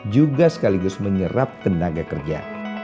juga sekaligus menyerap tenaga kerja